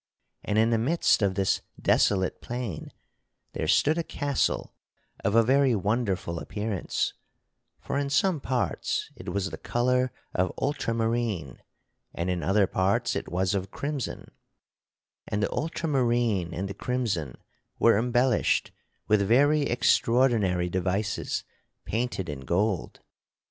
And in the midst of this desolate plain there stood a castle of a very wonderful appearance; for in some parts it was the color of ultramarine and in other parts it was of crimson; and the ultramarine and the crimson were embellished with very extraordinary devices painted in gold.